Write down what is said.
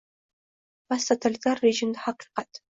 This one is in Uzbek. Posttotalitar rejimda haqiqat